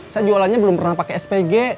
saya jualannya belum pernah pakai spg